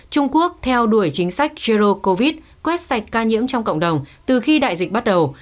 trung quốc theo đuổi chính sách zero covid quét sạch ca nhiễm trong cộng đồng từ khi đại dịch bắt đầu